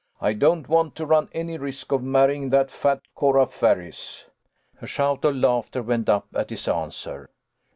I don't want to run any risk of marrying that fat Cora Ferris." A shout of laughter went up at his answer.